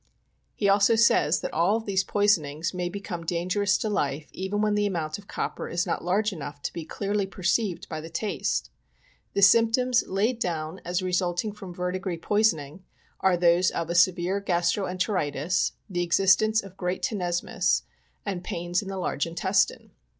He also says all of these poisonings may become dangerous to life even when the amount of copper is not large enough to be clearly perceived by the taste. The symptoms laid down as resulting from verdigris poisoning are those of a severe gas tro entiritis, the existence of great tenesmus, and pains in the large intestine.